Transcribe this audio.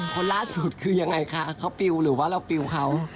คนล่าสุดคือยังไงคะเขาปิวหรือว่าเราปิวเขา